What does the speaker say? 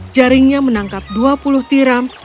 jaringnya menangkap dua puluh tiram